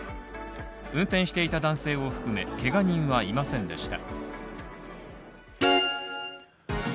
運転していた男性を含めけが人はいませんでした。